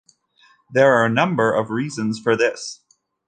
There are a number of reasons for this.